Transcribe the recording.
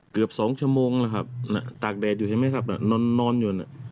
เกือบสองชั่วโมงแล้วครับตากเดทอยู่ใช่ไหมครับนอนอยู่